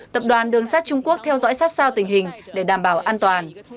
tập đoàn đường sát trung quốc theo dõi sát sao tình hình để đảm bảo an toàn